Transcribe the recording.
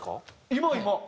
今今。